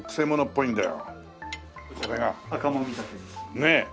ねえ。